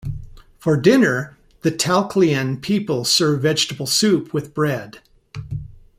For dinner, the Taquilean people serve vegetable soup with bread.